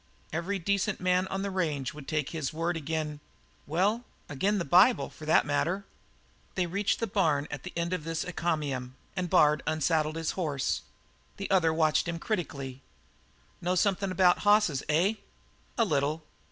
Every decent man on the range would take his word ag'in' well, ag'in' the Bible, for that matter." They reached the barn at the end of this encomium, and Bard unsaddled his horse. The other watched him critically. "Know somethin' about hosses, eh?" "A little."